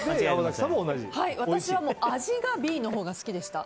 私は味がＢのほうが好きでした。